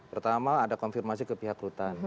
pertama ada konfirmasi ke pihak rutan